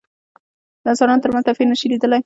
د انسانانو تر منځ توپيرونه نشي لیدلای.